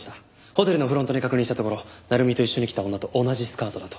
ホテルのフロントに確認したところ鳴海と一緒に来た女と同じスカートだと。